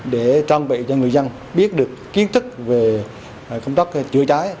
để trang bị cho người dân biết được kiến thức về công tác chữa cháy